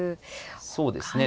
そうですね。